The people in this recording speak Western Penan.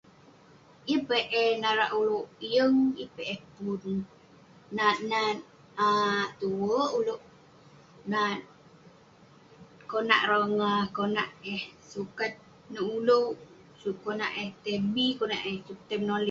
Yeng peh eh narak ulouk yeng, yeng peh eh pun. Nat nat um tue ulouk nat konak rongah, konak eh sukat nouk ulouk. Konak eh tai bi, konak eh tai-